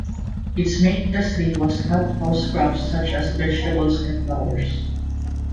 Its main industry was hothouse crops such as vegetables and flowers.